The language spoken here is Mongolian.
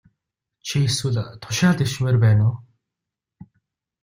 Чи эсвэл тушаал дэвшмээр байна уу?